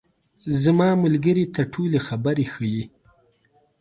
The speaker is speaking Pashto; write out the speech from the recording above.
زما ملګري ته ټولې خبرې ښیې.